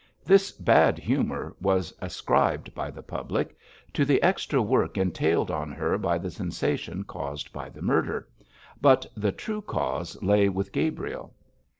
This bad humour was ascribed by the public to the extra work entailed on her by the sensation caused by the murder, but the true cause lay with Gabriel.